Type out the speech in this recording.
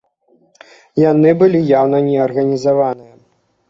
Яны былі яўна неарганізаваныя.